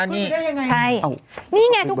นี่นี่ไงครับ